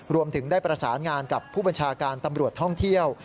รวมถึงได้ประสานงานกับผู้บัญชาการตำรวจท่องเที่ยว